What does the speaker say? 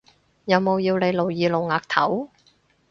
有冇要你露耳露額頭？